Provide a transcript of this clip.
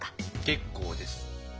結構です。